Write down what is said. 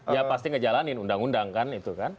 ya pasti ngejalanin undang undang kan itu kan